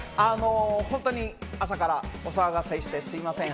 本当に朝からお騒がせしてすみません。